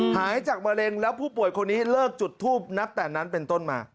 หายจากมะเร็งแล้วผู้ป่วยคนนี้เลิกจุดทูปนับแต่นั้นเป็นต้นมา